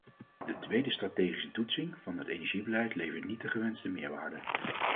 De tweede strategische toetsing van het energiebeleid levert niet de gewenste meerwaarde.